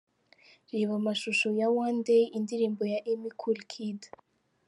Reba amashusho ya 'One day', indirimbo ya Emmy Kul Kid .